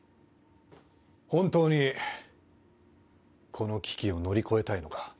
本当にこの危機を乗り越えたいのか？